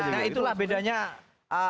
nah itulah bedanya